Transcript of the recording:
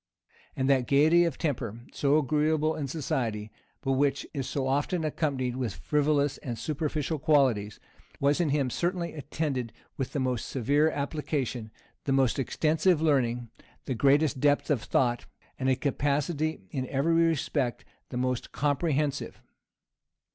And that gayety of temper, so agreeable in society, but which is so often accompanied with frivolous and superficial qualities, was in him certainly attended with the most severe application, the most extensive learning, the greatest depth of thought, and a capacity in every respect the most comprehensive.